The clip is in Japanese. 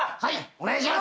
お願いします。